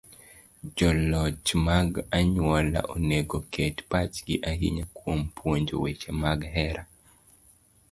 Joloch mag anyuola onego oket pachgi ahinya kuom puonjo weche mag hera.